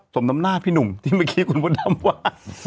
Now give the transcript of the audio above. สมน้ำหน้าพี่หนุ่มที่เมื่อกี้คุณมดดำว่า